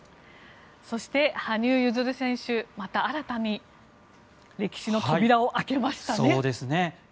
そして、羽生結弦選手また新たに歴史の扉を開けましたね。